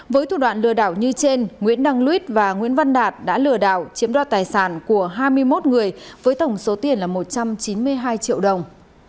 với thủ đoạn lừa đảo như trên nguyễn đăng luyết và nguyễn văn đạt đã lừa đảo chiếm đo tài sản của hai mươi một người với tổng số tiền là một trăm chín mươi hai triệu đồng